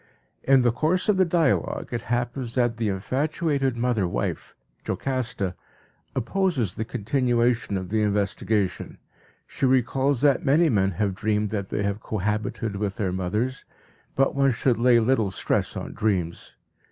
In the course of the dialogue it happens that the infatuated mother wife, Jocasta, opposes the continuation of the investigation. She recalls that many men have dreamed that they have cohabited with their mothers, but one should lay little stress on dreams.